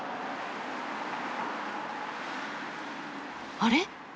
あれ？